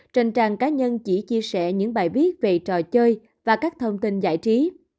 trên trang cá nhân chỉ chia sẻ những bài viết về trò chơi và các thông tin giải trí